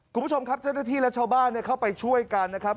คุณผู้ชมครับเจ้าหน้าที่และชาวบ้านเข้าไปช่วยกันนะครับ